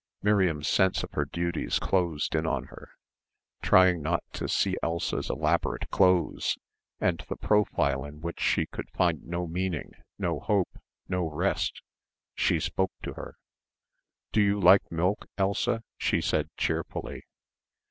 Miriam's sense of her duties closed in on her. Trying not to see Elsa's elaborate clothes and the profile in which she could find no meaning, no hope, no rest, she spoke to her. "Do you like milk, Elsa?" she said cheerfully.